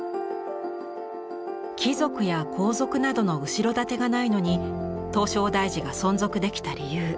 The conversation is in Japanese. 貴族や皇族などの後ろ盾がないのに唐招提寺が存続できた理由。